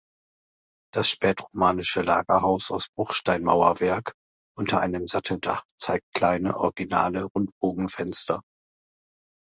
Das spätromanische Langhaus aus Bruchsteinmauerwerk unter einem Satteldach zeigt kleine originale Rundbogenfenster.